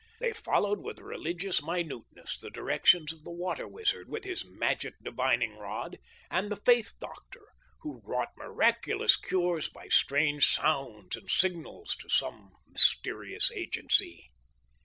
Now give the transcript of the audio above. They followed with religious minuteness the directions of the water wizard, with his magic divining rod, and the faith doctor who wrought miraculous cures by strange sounds and signals to some mysterious agency.